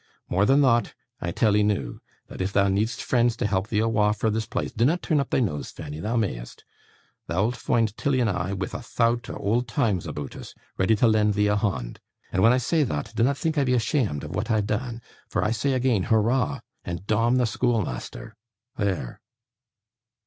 More than thot, I tell 'ee noo, that if thou need'st friends to help thee awa' from this place dinnot turn up thy nose, Fanny, thou may'st thou'lt foind Tilly and I wi' a thout o' old times aboot us, ready to lend thee a hond. And when I say thot, dinnot think I be asheamed of waa't I've deane, for I say again, Hurrah! and dom the schoolmeasther. There!